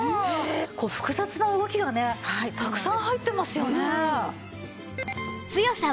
こう複雑な動きがねたくさん入ってますよね。